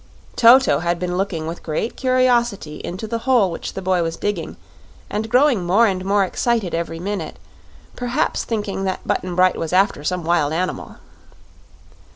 Toto had been looking with great curiosity in the hole which the boy was digging, and growing more and more excited every minute, perhaps thinking that Button Bright was after some wild animal.